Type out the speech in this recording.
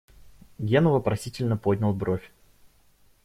Гена вопросительно поднял бровь.